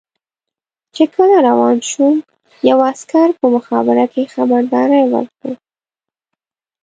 چې کله روان شوم یوه عسکر په مخابره کې خبرداری ورکړ.